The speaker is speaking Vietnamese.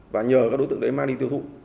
và nhờ các đối tượng đấy mang đi tiêu thụ